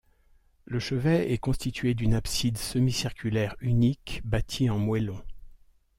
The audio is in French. Le chevet est constitué d'une abside semi-circulaire unique bâtie en moellons.